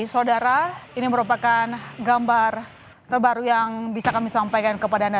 saudara ini merupakan gambar terbaru yang bisa kami sampaikan kepada anda